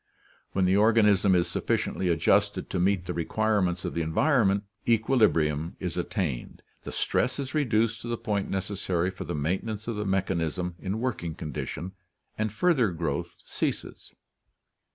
When the organism is sufficiently adjusted to meet the requirements of the environment, equilibrium is at tained, the stress is reduced to the point necessary for the main tenance of the mechanism in working condition, and further growth ceases.